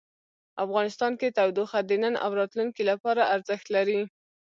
افغانستان کې تودوخه د نن او راتلونکي لپاره ارزښت لري.